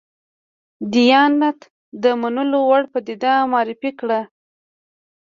دیانت د منلو وړ پدیده معرفي کړو.